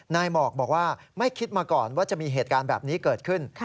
หมอกบอกว่าไม่คิดมาก่อนว่าจะมีเหตุการณ์แบบนี้เกิดขึ้น